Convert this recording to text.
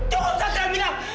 cukup satria bilang